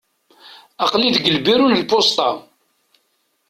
Aql-i deg lbiru n lpusṭa.